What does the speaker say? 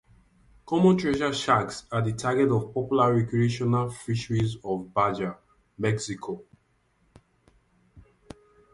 Common thresher sharks are the target of a popular recreational fishery off Baja, Mexico.